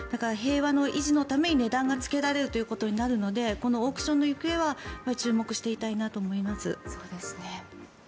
平和維持のために値段がつけられることになるのでこのオークションの行方は注目していたいなと思います。